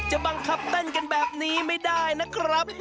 บังคับเต้นกันแบบนี้ไม่ได้นะครับ